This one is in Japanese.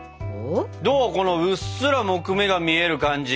どうこのうっすら木目が見える感じ。